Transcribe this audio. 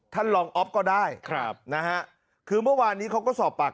ท่านรองอ๊อฟก็ได้ครับนะฮะคือเมื่อวานนี้เขาก็สอบปาก